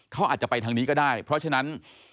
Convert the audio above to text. เขาอาจจะไปทางนี้ก็ได้เพราะฉะนั้น